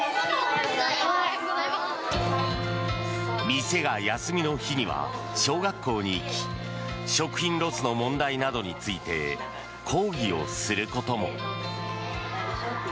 店が休みの日には小学校に行き食品ロスの問題などについて講義をすることも。